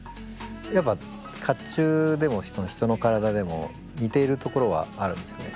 やっぱ甲冑でも人の体でも似ているところはあるんですよね。